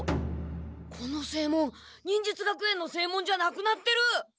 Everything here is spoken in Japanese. この正門忍術学園の正門じゃなくなってる！